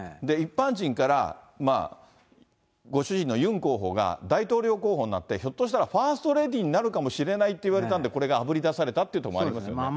で、一般人から、ご主人のユン候補が大統領候補になって、ひょっとしたら、ファーストレディーになるかもしれないっていうことで、これがあぶり出されたっていうところがありますよね。